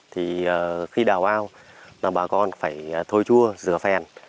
thì khi đào ao là bà con phải thôi chua rửa phèn